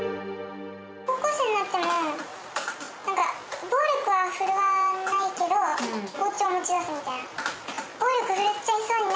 高校生になってもなんか、暴力は振るわないけど、包丁は持ち出すみたいな。